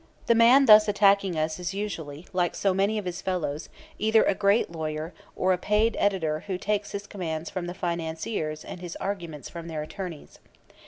The man thus attacking us is usually, like so many of his fellows, either a great lawyer, or a paid editor who takes his commands from the financiers and his arguments from their attorneys.